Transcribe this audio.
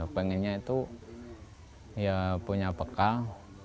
pengennya itu punya bekal